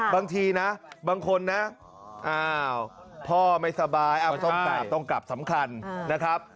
บางทีนะบางคนนะอ้าวพ่อไม่สบายต้องกลับต้องกลับสำคัญนะครับ